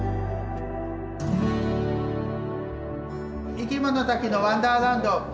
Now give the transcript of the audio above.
生きものたちのワンダーランド。